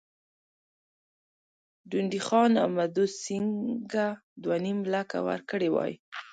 ډونډي خان او مدو سینګه دوه نیم لکه ورکړي وای.